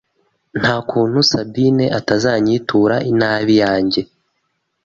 nta kuntu Sabine atazanyitura inabi yanjye”